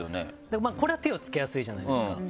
これは手を付けやすいじゃないですか。